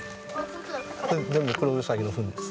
これ全部クロウサギのフンです。